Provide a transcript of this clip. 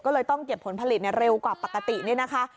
ก็เลยต้องเก็บผลผลิตเร็วกว่าปกตินี่นะคะ